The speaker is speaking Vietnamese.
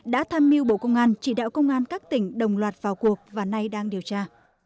đã tham mưu bộ công an chỉ đạo công an các tỉnh đồng loạt vào cuộc và nay đang điều tra